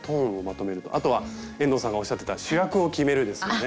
あとは遠藤さんがおっしゃってた主役を決めるですよね。